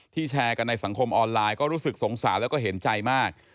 แชร์กันในสังคมออนไลน์ก็รู้สึกสงสารแล้วก็เห็นใจมาก